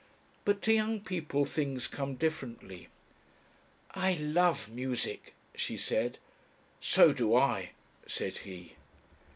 But to young people things come differently. "I love music," she said. "So do I," said he.